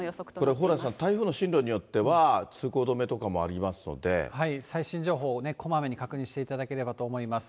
これ、蓬莱さん、台風の進路によっては、最新情報をこまめに確認していただければと思います。